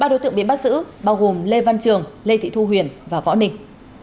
ba đối tượng bị bắt giữ bao gồm lê văn trường lê thị thu huyền và võ ninh